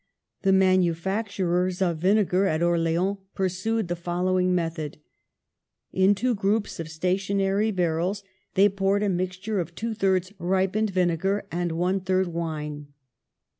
The manufacturers of vinegar in Orleans FOR THE NATIONAL WEALTH 75 pursued the following method : Into groups of stationary barrels they poured a mixture of two thirds ripened vinegar and one third wine.